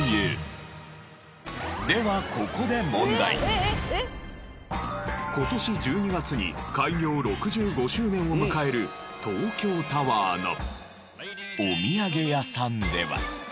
ではここで今年１２月に開業６５周年を迎える東京タワーのおみやげ屋さんでは。